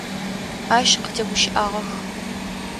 Ащ къытегущыӏагъэх.